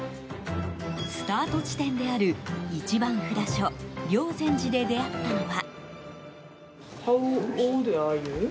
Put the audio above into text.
スタート地点である１番札所霊山寺で出会ったのは。